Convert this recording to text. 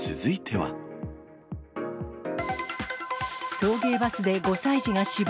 送迎バスで５歳児が死亡。